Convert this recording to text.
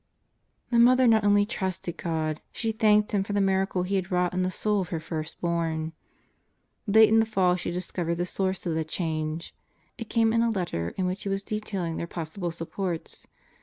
The mother not only trusted God, she thanked Him for the miracle He had wrought in the soul of her first born. Late in the fall she discovered the source of the change. It came in a letter in which he was detailing their possible supports.